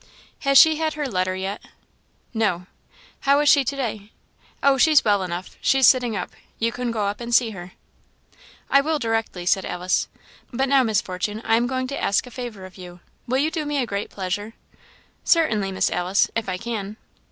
"Has she had her letter yet?" "No." "How is she to day?" "Oh, she's well enough she's sitting up. You can go up and see her." "I will, directly," said Alice. "But now, Miss Fortune, I am going to ask a favour of you will you do me a great pleasure?" "Certainly, Miss Alice if I can."